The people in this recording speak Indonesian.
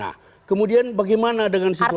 nah kemudian bagaimana dengan situasi